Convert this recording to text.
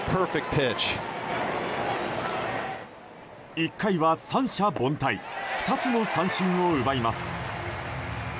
１回は三者凡退２つの三振を奪います。